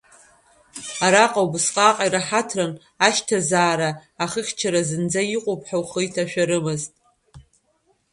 Араҟа убысҟак ираҳаҭран, ашьҭазаара, ахыхьчара зынӡа иҟоуп ҳәа ухы иҭашәарымызт.